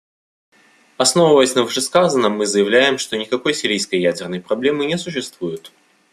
Основываясь на вышесказанном, мы заявляем, что никакой сирийской ядерной проблемы не существует.